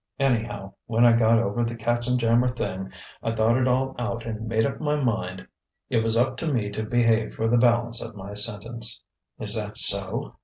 Anyhow, when I got over the katzenjammer thing, I thought it all out and made up my mind it was up to me to behave for the balance of my sentence." "Is that so?"